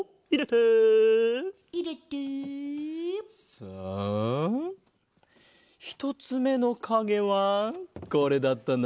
さあひとつめのかげはこれだったな。